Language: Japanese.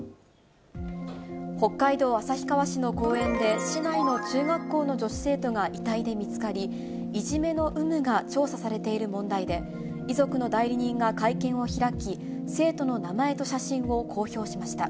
北海道旭川市の公園で、市内の中学校の女子生徒が遺体で見つかり、いじめの有無が調査されている問題で、遺族の代理人が会見を開き、生徒の名前と写真を公表しました。